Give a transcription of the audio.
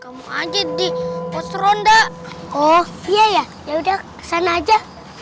kamu aja di pos ronda oh iya ya ya udah sana aja